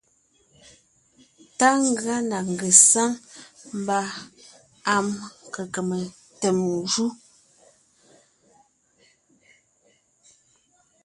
Tá ngʉa na ngesáŋ mba am kqm tem jú.